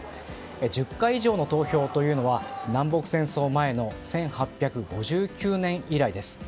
１０回以上の投票というのは南北戦争前の１８５９年以来です。